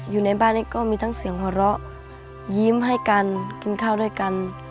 อยู่ในบ้านนี้ก็มีทั้งเสียงหัวเราะยิ้มให้กันกินข้าวด้วยกัน